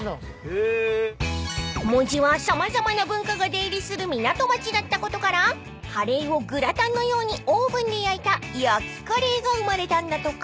［門司は様々な文化が出入りする港町だったことからカレーをグラタンのようにオーブンで焼いた焼きカレーが生まれたんだとか］